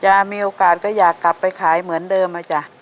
มีโอกาสก็อยากกลับไปขายเหมือนเดิมนะจ๊ะ